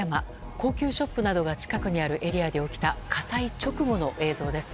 高級ショップなどが近くにあるエリアで起きた火災直後の映像です。